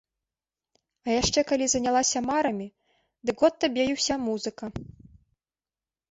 А яшчэ калі занялася марамі, дык от табе і ўся музыка.